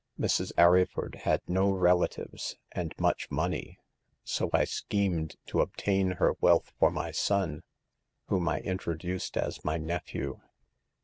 Mrs. Arryford had no relatives and much money, so I schemed to obtain her wealth for my son, whom I introduced as my nephew.